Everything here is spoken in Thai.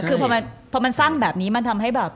คือพอมันสร้างแบบนี้มันทำให้แบบ